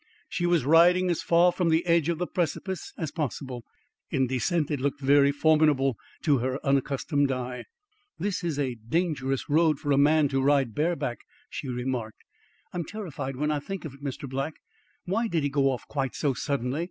She was riding as far from the edge of the precipice as possible. In descent it looked very formidable to her unaccustomed eye. "This is a dangerous road for a man to ride bareback," she remarked. "I'm terrified when I think of it, Mr. Black. Why did he go off quite so suddenly?